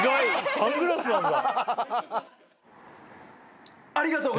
サングラスなんだ。